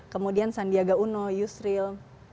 kemudian sandiaga uno yusril